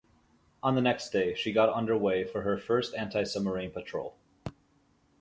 On the next day, she got underway for her first antisubmarine patrol.